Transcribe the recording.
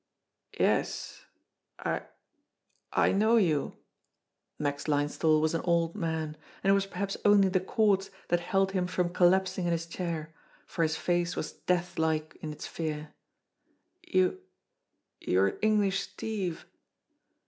"Yes, I I know you." Max Linesthal was an old man ; and it was perhaps only the cords that held him from col lapsing in his chair, for his face was deathlike in its fear. "You you're English Steve."